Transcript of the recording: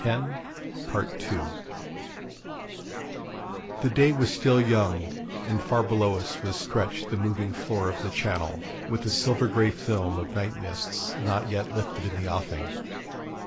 The day was still young, and far below us was stretched the moving floor of the Channel, with a silver grey film of night mists not yet lifted in the offing.